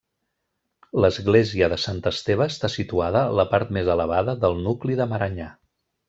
L'església de Sant Esteve està situada a la part més elevada del nucli de Maranyà.